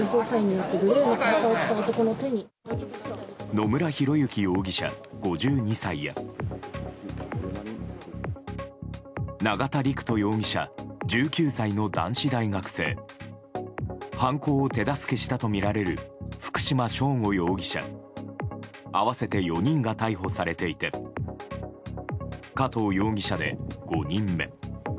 野村広之容疑者、５２歳や永田陸人容疑者１９歳の男子大学生犯行を手助けしたとみられる福島聖悟容疑者合わせて４人が逮捕されていて加藤容疑者で５人目。